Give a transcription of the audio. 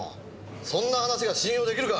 そんな話が信用出来るか！